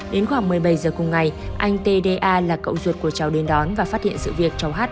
đến khoảng một mươi bảy giờ cùng ngày anh tda là cậu ruột của cháu đến đón và phát hiện sự việc cháu hát